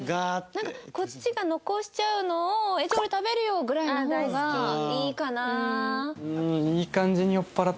なんかこっちが残しちゃうのを「じゃあ俺食べるよ！」ぐらいの方がいいかな。